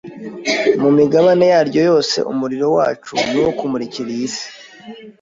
mu migabane yaryo yose. Umurimo wacu ni uwo kumurikira iyi si,